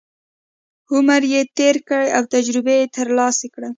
عمر یې تېر کړی او تجربې یې ترلاسه کړي.